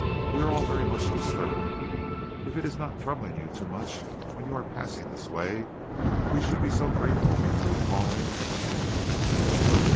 We are all very much disturbed. If it is not troubling you too much when you are passing this way, we should be so grateful if you would call in for a minute.